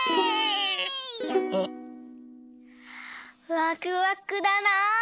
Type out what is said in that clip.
・ワクワクだな。